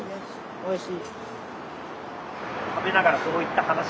おいしい。